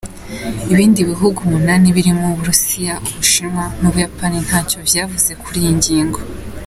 Ibindi bihugu umunani birimwo Uburusiya, Ubushinwa n'Ubuyapani ntaco vyavuze kuri iyo ngingo.